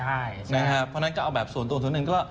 เพราะนั้นเอาส่วนตัวนึง